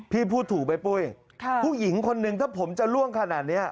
พูดถูกไหมปุ้ยผู้หญิงคนนึงถ้าผมจะล่วงขนาดนี้